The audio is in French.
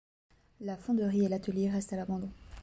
La fonderie et l’atelier restent à l’abandon.